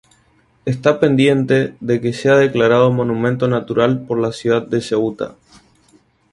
Esta pendiente de que sea declarado Monumento Natural por la ciudad de Ceuta.